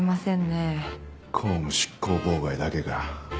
公務執行妨害だけか。